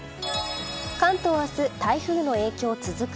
関東は明日台風の影響続く。